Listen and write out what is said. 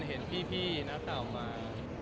เห็นพี่นักข่าวมา